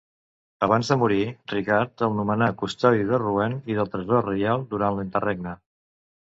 Abans de morir, Ricard, el nomenà custodi de Rouen i del tresor reial durant l'interregne.